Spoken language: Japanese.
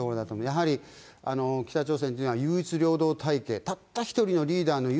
やはり北朝鮮というのは唯一労働体系、たった１人のリーダーの言